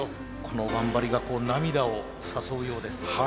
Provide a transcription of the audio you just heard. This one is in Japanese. この頑張りが涙を誘うようです。